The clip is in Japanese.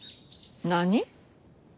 何？